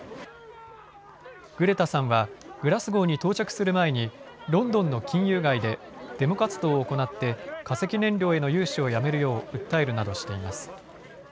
グレタさんはグラスゴーに到着する前にロンドンの金融街でデモ活動を行って化石燃料への融資をやめるよう訴えるなどしています。